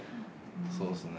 そうですね。